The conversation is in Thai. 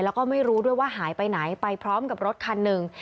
แล้วก็ไม่รู้ด้วยว่าหายไปไหนไปพร้อมกับรถคันหนึ่ง